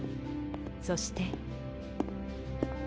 そして。